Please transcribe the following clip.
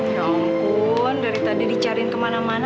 ya ampun dari tadi dicariin kemana mana